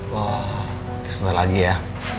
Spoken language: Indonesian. wah nanti lagi ya